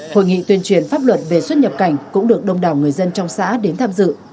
hội nghị tuyên truyền pháp luật về xuất nhập cảnh cũng được đông đảo người dân trong xã đến tham dự